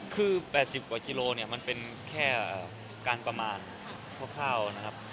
คือ๘๐กว่ากิโลเนี่ยมันเป็นแค่การประมาณพวกข้าวนะครับ